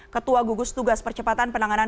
ketua gugus tugas percepatan penanganan